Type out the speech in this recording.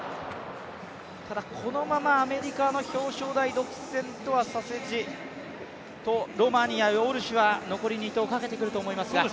ただこのままアメリカの表彰台独占とはさせじと、ロマニやウォルシュが残り２投をかけてくると思いますが。